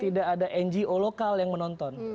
tidak ada ngo lokal yang menonton